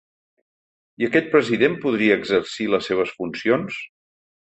I aquest president podria exercir les seves funcions?